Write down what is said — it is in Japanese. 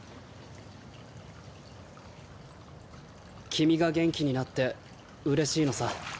君が元気になってうれしいのさ。